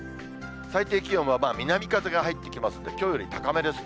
最低気温は南風が入ってきますんで、きょうより高めですね。